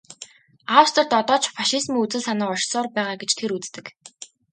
Австрид одоо ч фашизмын үзэл санаа оршсоор байгаа гэж тэр үздэг.